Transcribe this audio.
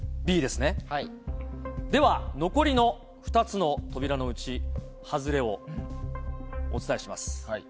では残りの２つの扉のうち外れをお伝えします。